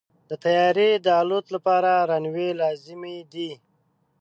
د طیارې د الوت لپاره رنوی لازمي دی.